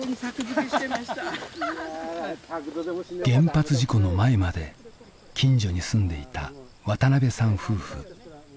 原発事故の前まで近所に住んでいた渡邉さん夫婦。